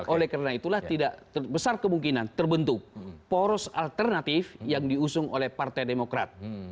oleh karena itulah tidak besar kemungkinan terbentuk poros alternatif yang diusung oleh partai demokrat